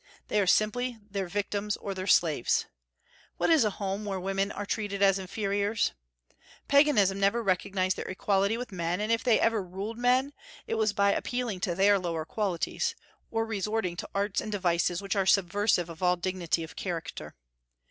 They are simply their victims or their slaves. What is a home where women are treated as inferiors? Paganism never recognized their equality with men; and if they ever ruled men, it was by appealing to their lower qualities, or resorting to arts and devices which are subversive of all dignity of character.